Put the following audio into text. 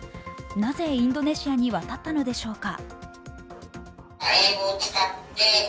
なぜインドネシアに渡ったのでしょうか？